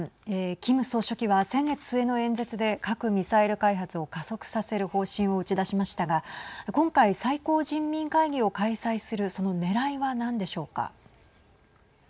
キム総書記は先月末の演説で核・ミサイル開発を加速させる方針を打ち出しましたが今回、最高人民会議を開催するそのねらいは何でしょうか。